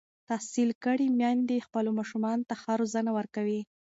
تحصیل کړې میندې خپلو ماشومانو ته ښه روزنه ورکوي.